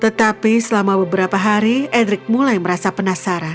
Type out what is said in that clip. tetapi selama beberapa hari edric mulai merasa penasaran